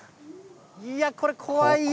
いや、これ怖いよ。